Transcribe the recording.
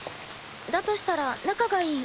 だとしたら仲がいい